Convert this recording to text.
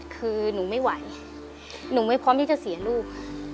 คือหนูไม่ไหวหนูไม่พร้อมที่จะเสียลูกค่ะ